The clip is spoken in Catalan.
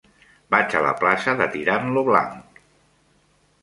Vaig a la plaça de Tirant lo Blanc.